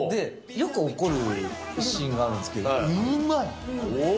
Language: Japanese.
よく怒るシーンがあるんですけど、うまい！